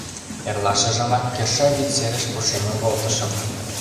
Эрлашыжымак Керша вӱд серыш пушемым волтышым.